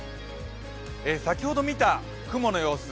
先ほど見た雲の様子、